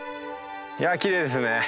いやきれいですね。